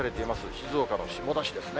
静岡の下田市ですね。